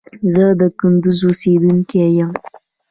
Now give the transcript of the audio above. زه د کندوز اوسیدونکي یم